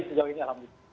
sejauh ini alhamdulillah